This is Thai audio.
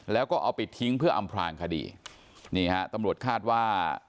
แล้วก็เอาไปทิ้งเพื่ออำพลางคดีนี่ฮะตำรวจคาดว่า